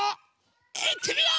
いってみよう！